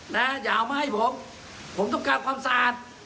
อย่าเอามาให้ผมผมต้องการความสะอาด